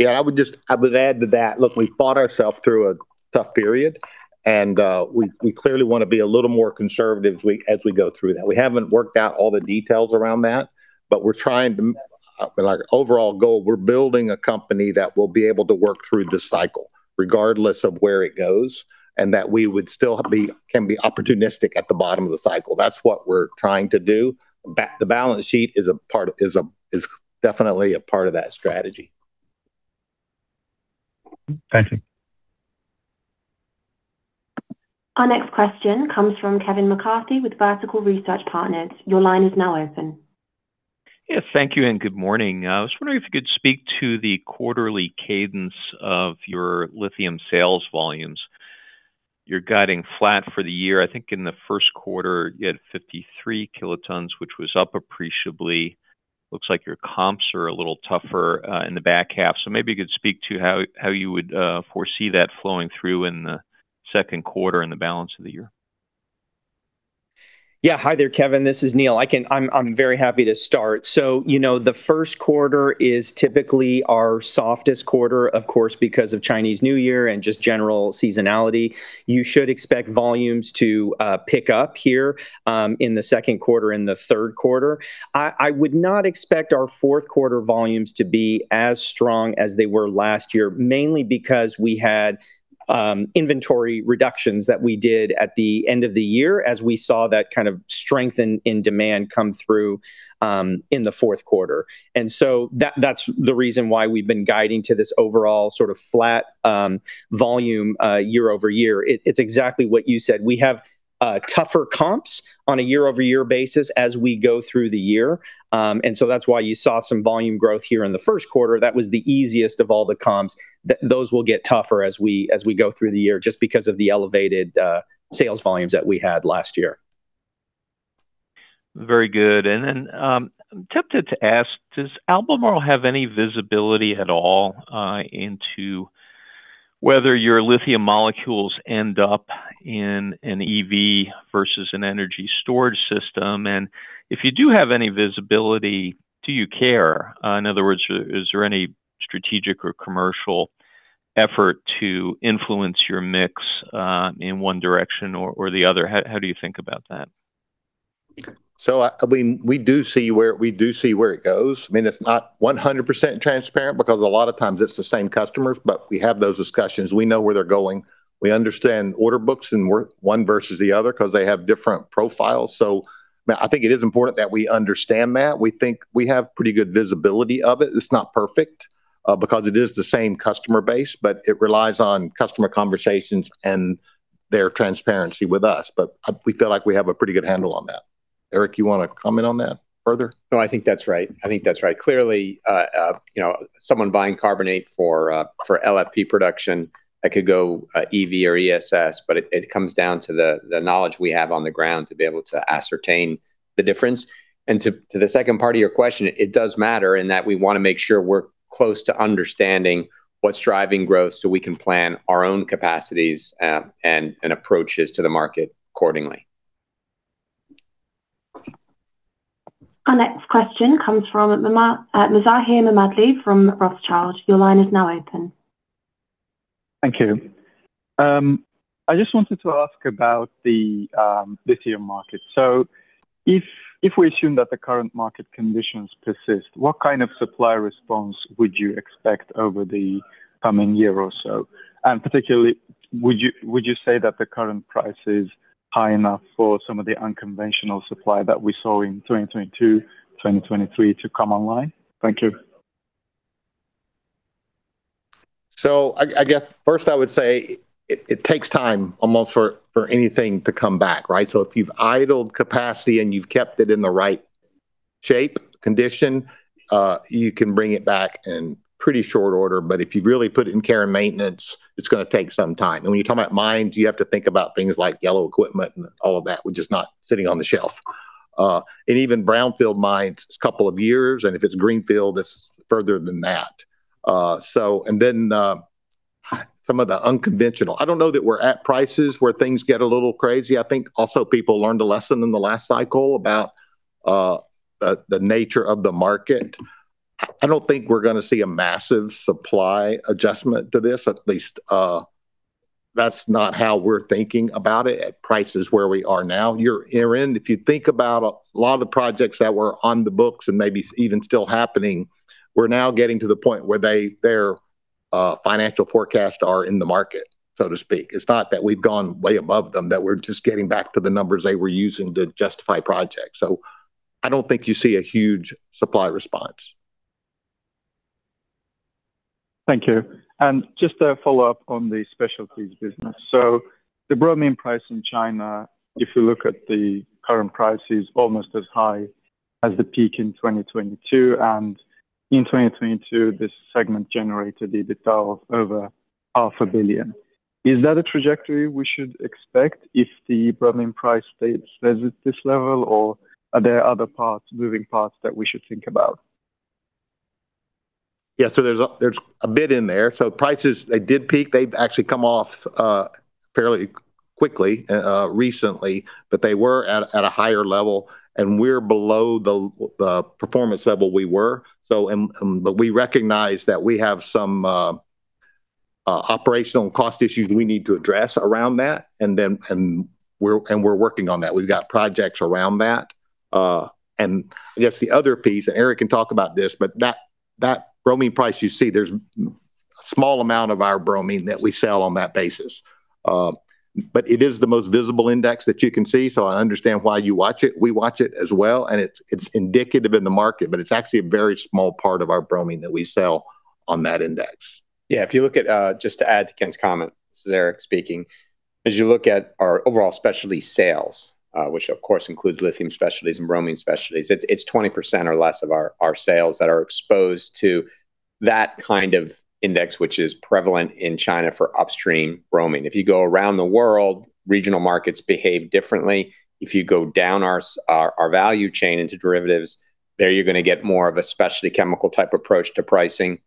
I would just add to that. Look, we fought ourselves through a tough period, and we clearly want to be a little more conservative as we go through that. We haven't worked out all the details around that, but we're trying to. Our overall goal, we're building a company that will be able to work through this cycle regardless of where it goes, and that we would still be opportunistic at the bottom of the cycle. That's what we're trying to do. The balance sheet is a part, is definitely a part of that strategy. Thank you. Our next question comes from Kevin McCarthy with Vertical Research Partners. Your line is now open. Yeah. Thank you and good morning. I was wondering if you could speak to the quarterly cadence of your lithium sales volumes. You're guiding flat for the year. I think in the first quarter you had 53 kilotons, which was up appreciably. Looks like your comps are a little tougher in the back half. Maybe you could speak to how you would foresee that flowing through in the second quarter and the balance of the year. Yeah. Hi there, Kevin. This is Neal. I'm very happy to start. You know, the first quarter is typically our softest quarter, of course, because of Chinese New Year and just general seasonality. You should expect volumes to pick up here in the second quarter and the third quarter. I would not expect our fourth quarter volumes to be as strong as they were last year, mainly because we had inventory reductions that we did at the end of the year as we saw that kind of strength in demand come through in the fourth quarter. That, that's the reason why we've been guiding to this overall sort of flat volume year-over-year. It's exactly what you said. We have tougher comps on a year-over-year basis as we go through the year. That's why you saw some volume growth here in the first quarter. That was the easiest of all the comps. Those will get tougher as we go through the year just because of the elevated sales volumes that we had last year. Very good. I'm tempted to ask, does Albemarle have any visibility at all, into whether your lithium molecules end up in an EV versus an energy storage system? If you do have any visibility, do you care? In other words, is there any strategic or commercial effort to influence your mix, in one direction or the other? How do you think about that? I mean, we do see where it goes. I mean, it's not 100% transparent because a lot of times it's the same customers, but we have those discussions. We know where they're going. We understand order books and we're one versus the other 'cause they have different profiles. I mean, I think it is important that we understand that. We think we have pretty good visibility of it. It's not perfect because it is the same customer base, but it relies on customer conversations and their transparency with us. We feel like we have a pretty good handle on that. Eric, you wanna comment on that further? No, I think that's right. I think that's right. Clearly, you know, someone buying carbonate for LFP production, that could go EV or ESS, but it comes down to the knowledge we have on the ground to be able to ascertain the difference. To the second part of your question, it does matter in that we wanna make sure we're close to understanding what's driving growth so we can plan our own capacities and approaches to the market accordingly. Our next question comes from Mazahir Mammadli from Rothschild. Your line is now open. Thank you. I just wanted to ask about the lithium market. If we assume that the current market conditions persist, what kind of supply response would you expect over the coming year or so? Particularly, would you say that the current price is high enough for some of the unconventional supply that we saw in 2022, 2023 to come online? Thank you. I guess first I would say it takes time almost for anything to come back, right? If you've idled capacity and you've kept it in the right shape, condition, you can bring it back in pretty short order. If you've really put it in care and maintenance, it's gonna take some time. When you talk about mines, you have to think about things like yellow equipment and all of that, which is not sitting on the shelf. And even brownfield mines, it's two years, and if it's greenfield, it's further than that. Then, some of the unconventional. I don't know that we're at prices where things get a little crazy. I think also people learned a lesson in the last cycle about, the nature of the market. I don't think we're gonna see a massive supply adjustment to this. At least, that's not how we're thinking about it at prices where we are now. Year-end, if you think about a lot of the projects that were on the books and maybe even still happening, we're now getting to the point where they, their financial forecast are in the market, so to speak. It's not that we've gone way above them, that we're just getting back to the numbers they were using to justify projects. I don't think you see a huge supply response. Thank you. Just a follow-up on the specialties business. The bromine price in China, if you look at the current prices, almost as high as the peak in 2022. In 2022, this segment generated EBITDA of over half a billion. Is that a trajectory we should expect if the bromine price stays at this level? Are there other parts, moving parts that we should think about? Yeah. There's a bit in there. Prices, they did peak. They've actually come off fairly quickly recently, but they were at a higher level, and we're below the performance level we were. We recognize that we have some operational cost issues we need to address around that, and we're working on that. We've got projects around that. I guess the other piece, and Eric can talk about this, but that bromine price you see, there's a small amount of our bromine that we sell on that basis. It is the most visible index that you can see, so I understand why you watch it. We watch it as well. It's indicative in the market, but it's actually a very small part of our bromine that we sell on that index. If you look at, just to add to Kent's comment, this is Eric speaking. As you look at our overall specialty sales, which of course includes lithium specialties and bromine specialties, it's 20% or less of our sales that are exposed to that kind of index, which is prevalent in China for upstream bromine. If you go around the world, regional markets behave differently. If you go down our value chain into derivatives, there you're gonna get more of a specialty chemical type approach to pricing.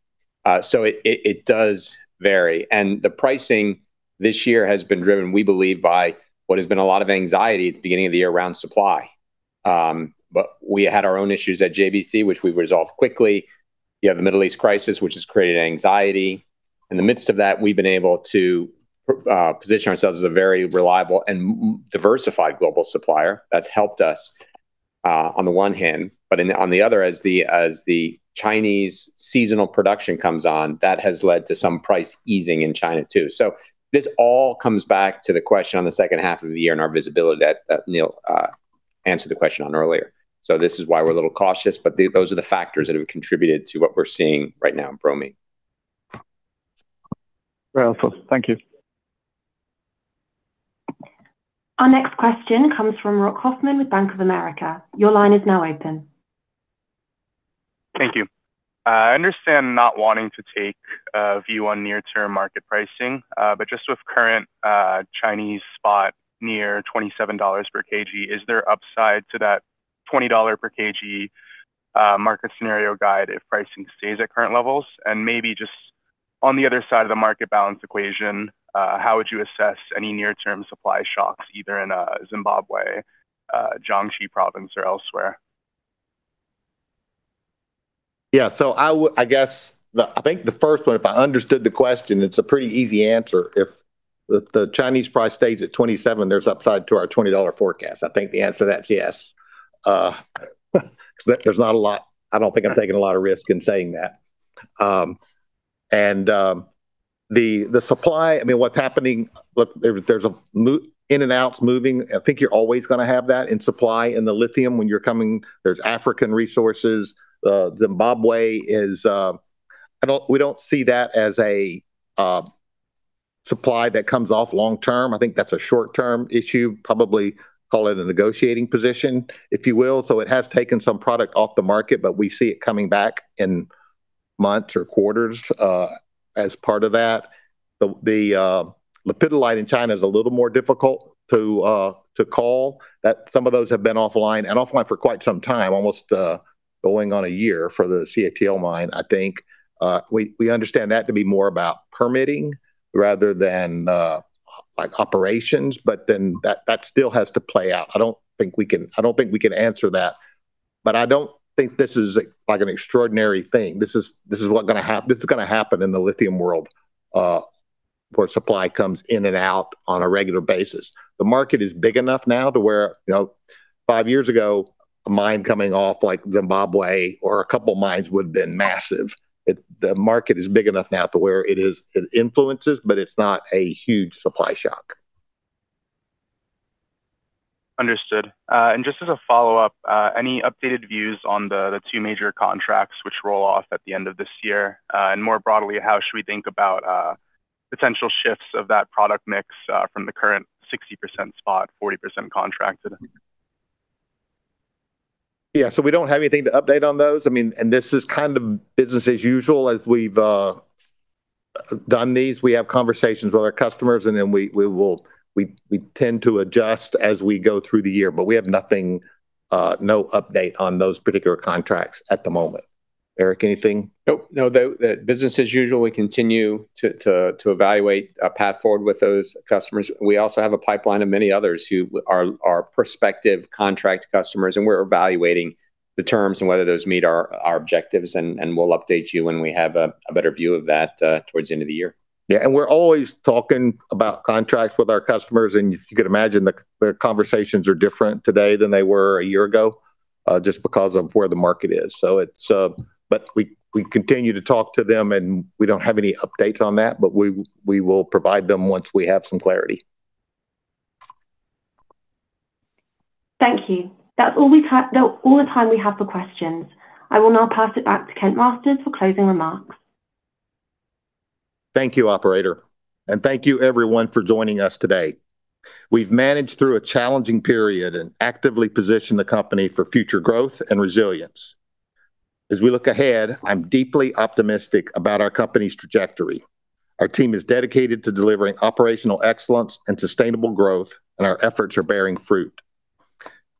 It does vary. The pricing this year has been driven, we believe, by what has been a lot of anxiety at the beginning of the year around supply. We had our own issues at JBC, which we resolved quickly. You have the Middle East crisis, which has created anxiety. In the midst of that, we've been able to position ourselves as a very reliable and diversified global supplier. That's helped us on the one hand. On the other, as the Chinese seasonal production comes on, that has led to some price easing in China too. This all comes back to the question on the second half of the year and our visibility that Neal answered the question on earlier. This is why we're a little cautious, but those are the factors that have contributed to what we're seeing right now in bromine. Very helpful. Thank you. Our next question comes from Rock Hoffman with Bank of America. Your line is now open Thank you. I understand not wanting to take a view on near-term market pricing, but just with current Chinese spot near $27/kg, is there upside to that $20/kg market scenario guide if pricing stays at current levels? Maybe just on the other side of the market balance equation, how would you assess any near-term supply shocks either in Zimbabwe, Jiangxi province or elsewhere? I guess the first one, if I understood the question, it's a pretty easy answer. If the Chinese price stays at $27/kg, there's upside to our $20/kg forecast. The answer to that is yes. There's not a lot. I don't think I'm taking a lot of risk in saying that. The supply, I mean, what's happening, there's in and outs moving. You're always gonna have that in supply in the lithium when you're coming. There's African resources. Zimbabwe is, we don't see that as a supply that comes off long term. That's a short-term issue. Probably call it a negotiating position, if you will. It has taken some product off the market, but we see it coming back in months or quarters as part of that. Lepidolite in China is a little more difficult to call. Some of those have been offline, and offline for quite some time, almost going on a year for the CATL mine. We understand that to be more about permitting rather than like operations, that still has to play out. I don't think we can answer that. I don't think this is, like, an extraordinary thing. This is gonna happen in the lithium world, where supply comes in and out on a regular basis. The market is big enough now to where, you know, five years ago, a mine coming off like Zimbabwe or a couple mines would have been massive. The market is big enough now to where it is, it influences, but it's not a huge supply shock. Understood. Just as a follow-up, any updated views on the two major contracts which roll off at the end of this year? More broadly, how should we think about potential shifts of that product mix from the current 60% spot, 40% contracted? Yeah. We don't have anything to update on those. I mean, this is kind of business as usual as we've done these. We have conversations with our customers, and then we will, we tend to adjust as we go through the year. We have nothing, no update on those particular contracts at the moment. Eric, anything? Nope. No, the business as usual, we continue to evaluate a path forward with those customers. We also have a pipeline of many others who are prospective contract customers, and we're evaluating the terms and whether those meet our objectives, and we'll update you when we have a better view of that towards the end of the year. We're always talking about contracts with our customers, and you could imagine the conversations are different today than they were a year ago, just because of where the market is. We continue to talk to them, and we don't have any updates on that, but we will provide them once we have some clarity. Thank you. That's all the time we have for questions. I will now pass it back to Kent Masters for closing remarks. Thank you, operator, and thank you everyone for joining us today. We've managed through a challenging period and actively positioned the company for future growth and resilience. As we look ahead, I'm deeply optimistic about our company's trajectory. Our team is dedicated to delivering operational excellence and sustainable growth, and our efforts are bearing fruit.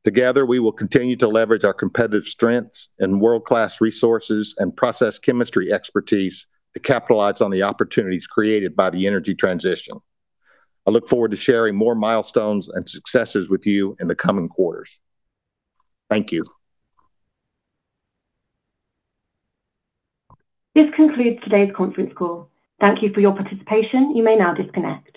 Together, we will continue to leverage our competitive strengths and world-class resources and process chemistry expertise to capitalize on the opportunities created by the energy transition. I look forward to sharing more milestones and successes with you in the coming quarters. Thank you. This concludes today's conference call. Thank you for your participation. You may now disconnect.